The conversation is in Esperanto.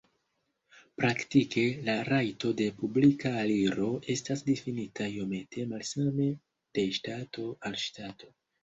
Praktike la rajto de publika aliro estas difinita iomete malsame de ŝtato al ŝtato.